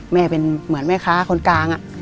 แม่เป็นเหมือนแม่ค้าคนกลาง